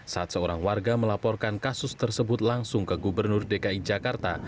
saat seorang warga melaporkan kasus tersebut langsung ke gubernur dki jakarta